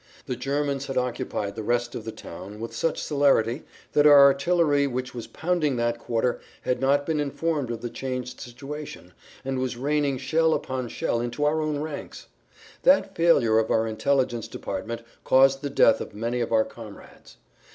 The Germans had occupied the rest of the town[Pg 20] with such celerity that our artillery which was pounding that quarter had not been informed of the changed situation, and was raining shell upon shell into our own ranks. That failure of our intelligence department caused the death of many of our comrades.